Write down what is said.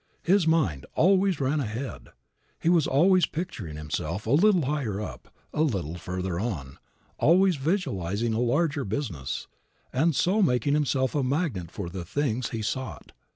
His mind always ran ahead. He was always picturing himself a little higher up, a little further on, always visualizing a larger business, and so making himself a magnet for the things he sought.